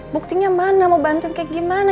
buktinya mana mau bantuin kayak gimana